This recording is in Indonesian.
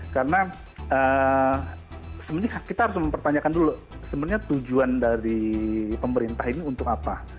karena sebenarnya kita harus mempertanyakan dulu sebenarnya tujuan dari pemerintah ini untuk apa